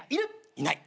いない。